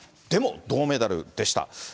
でも、銅メダルでした。